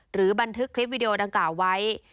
หรือบรรทึกคลิปวีดีวดังกะไว้